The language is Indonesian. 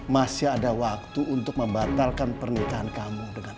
masih ada waktu untuk membatalkan pernikahan kamu dengan afif